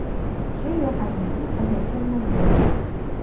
主要係唔知佢哋傾乜嘢